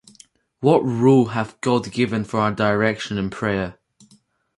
What rule hath God given for our direction in prayer?